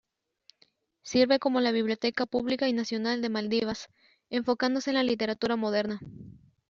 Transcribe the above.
Sirve como la Biblioteca pública y nacional de Maldivas, enfocándose en la literatura moderna.